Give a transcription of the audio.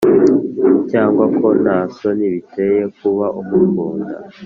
cyangwa ko nta soni biteye kuba umukunda.